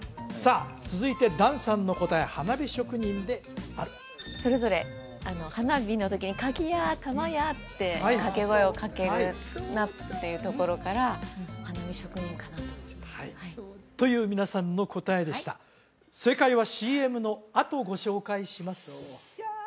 続いて檀さんの答え「花火職人」であるそれぞれ花火の時に「かぎや」「たまや」って掛け声をかけるなっていうところから花火職人かなって思ってという皆さんの答えでした正解はＣＭのあとご紹介します